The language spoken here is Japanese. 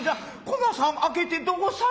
こなさん開けてどうさ